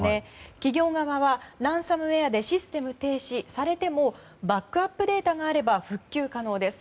企業側はランサムウェアでシステム停止されてもバックアップデータがあれば復旧可能です。